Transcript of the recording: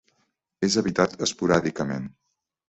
És habitat esporàdicament.